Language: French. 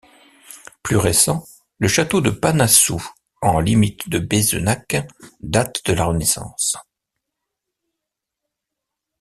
Plus récent, le château de Panassou, en limite de Bézenac, date de la Renaissance.